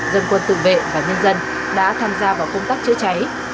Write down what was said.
dân quân tự vệ và nhân dân đã tham gia vào công tác chữa cháy